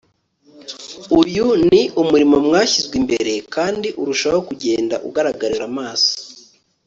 uyu ni umurimo mwashyizwe imbere kandi urushaho kugenda ugaragarira amaso